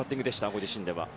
ご自身では。